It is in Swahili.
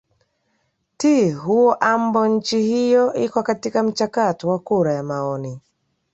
ti huo ambo nchi hiyo iko katika mchakato wa kura ya maoni